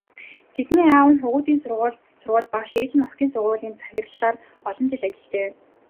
Тэдний аав нь хөвгүүдийн сургуульд багш, ээж нь охидын сургуулийн захирлаар олон жил ажиллажээ.